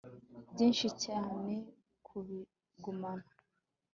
byinshi cyane kubigumana